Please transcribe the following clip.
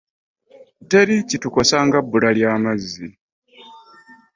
Teri kitukosa nga bbula lya mazzi.